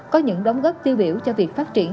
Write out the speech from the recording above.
có những đóng góp tiêu biểu cho việc phát triển